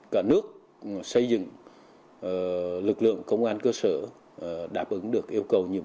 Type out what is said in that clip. cả nước xây dựng lực lượng công an cơ sở đáp ứng được yêu cầu